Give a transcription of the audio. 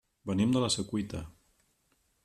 Venim de la Secuita.